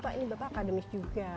pak ini bapak akademis juga